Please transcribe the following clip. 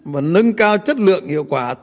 và nâng cao chất lượng hiệu quả